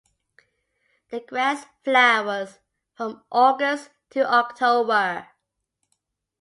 The grass flowers from August to October.